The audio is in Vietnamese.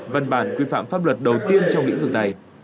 văn bản quy phạm pháp luật đầu tiên trong lĩnh vực này